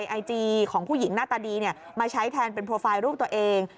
ไอจีของผู้หญิงหน้าตาดีมาใช้แทนเป็นโปรไฟล์รูปตัวเอง